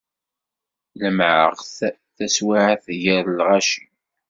Lemmɛeɣ-t taswiɛt gar lɣaci.